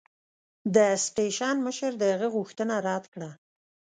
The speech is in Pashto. د سټېشن مشر د هغه غوښتنه رد کړه.